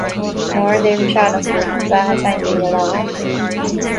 Mar a deir an seanfhocal "Beatha Teanga í a Labhairt".